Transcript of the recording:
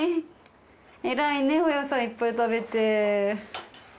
偉いねお野菜いっぱい食べて。